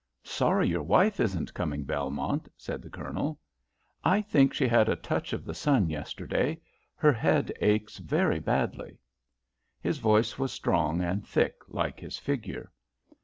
"Sorry your wife isn't coming, Belmont," said the Colonel. "I think she had a touch of the sun yesterday. Her head aches very badly." His voice was strong and thick like his figure.